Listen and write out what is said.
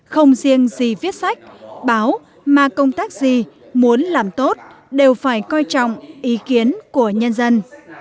không riêng gì viết sách báo mà công tác gì muốn làm tốt đều phải coi trọng ý kiến của nhân dân